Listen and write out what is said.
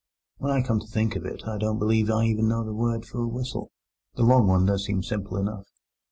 When I come to think of it, I don't believe I even know the word for a whistle. The long one does seem simple enough.